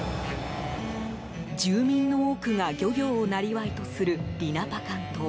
住民の多くが漁業を生業とするリナパカン島。